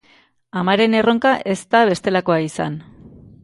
Amaren erronka ez da bestelakoa izan.